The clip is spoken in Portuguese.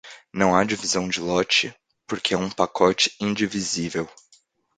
Não há divisão de lote porque é um pacote indivisível.